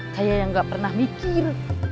saya yang gak pernah mikir